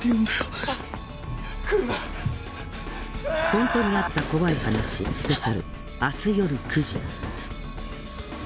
「ほんとにあった怖い話スペシャル」明日夜９時。